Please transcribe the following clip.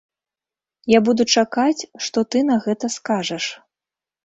Я буду чакаць, што ты на гэта скажаш.